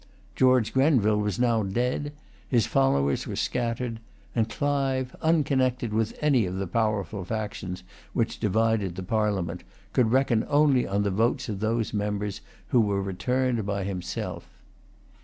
George Grenville was now dead: his followers were scattered; and Clive, unconnected with any of the powerful factions which divided the Parliament, could reckon only on the votes of those members who were returned by himself.